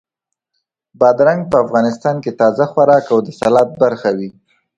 بادرنګ په افغانستان کې تازه خوراک او د سالاد برخه وي.